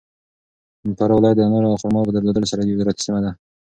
فراه ولایت د انارو او خرماوو په درلودلو سره یو زراعتي سیمه ده.